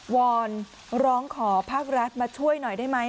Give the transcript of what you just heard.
อนร้องขอภาครัฐมาช่วยหน่อยได้ไหม